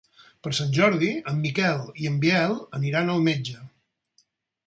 Per Sant Jordi en Miquel i en Biel aniran al metge.